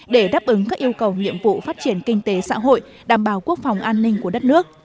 để đáp ứng các yêu cầu nhiệm vụ phát triển kinh tế xã hội đảm bảo quốc phòng an ninh của đất nước